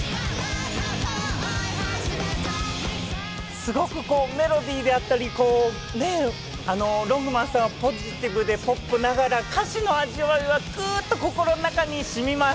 すごくメロディーであったり、ＬＯＮＧＭＡＮさんはポジティブでポップながら、歌詞の味わいがグっと心の中に染みます。